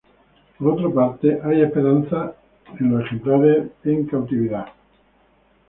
Por otra parte, hay esperanzas en los ejemplares en cautividad.